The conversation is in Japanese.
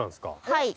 はい。